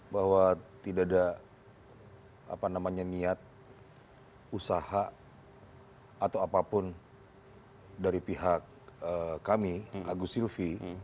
bahwa tidak ada niat usaha atau apapun dari pihak kami agus silvi